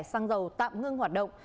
xăng dầu tạm ngưng hoạt động